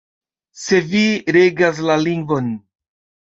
Se vi regas la lingvon.